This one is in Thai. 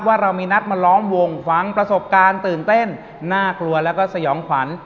ว่าเรามีนัดมาล้อมวงฟังประสบการณ์ตื่นเต้นน่ากลัวแล้วก็สยองขวัญ